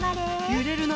ゆれるな！